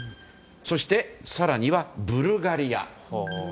そして、更にはブルガリア。